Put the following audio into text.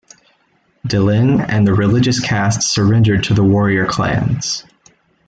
Delenn and the religious caste surrendered to the warrior clans.